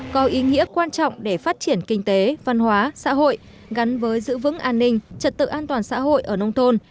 có ý nghĩa quan trọng để phát triển kinh tế văn hóa xã hội gắn với giữ vững an ninh trật tự an toàn xã hội ở nông thôn